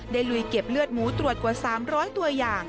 ลุยเก็บเลือดหมูตรวจกว่า๓๐๐ตัวอย่าง